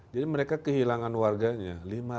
jadi mereka kehilangan warganya